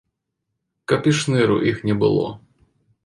Каб і шныру іх не было.